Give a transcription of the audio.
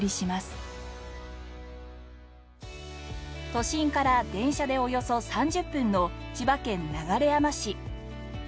都心から電車でおよそ３０分の千葉県流山市。